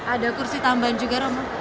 ada kursi tambahan juga romo